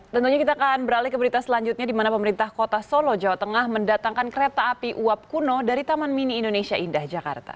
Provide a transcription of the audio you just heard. tentunya kita akan beralih ke berita selanjutnya di mana pemerintah kota solo jawa tengah mendatangkan kereta api uap kuno dari taman mini indonesia indah jakarta